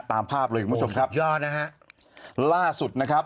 ตามภาพเลยคุณผู้ชมครับยอดนะฮะล่าสุดนะครับ